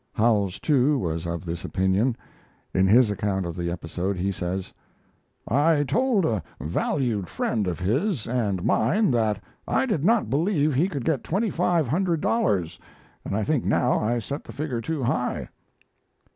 Howells, too, was of this opinion. In his account of the episode he says: I told a valued friend of his and mine that I did not believe he could get twenty five hundred dollars, and I think now I set the figure too high.